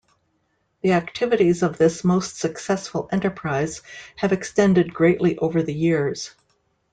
The activities of this most successful enterprise have extended greatly over the years.